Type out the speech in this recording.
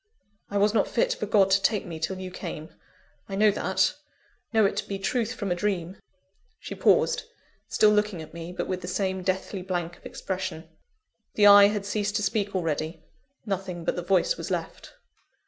I was not fit for God to take me till you came I know that, know it to be truth from a dream." She paused, still looking at me, but with the same deathly blank of expression. The eye had ceased to speak already; nothing but the voice was left.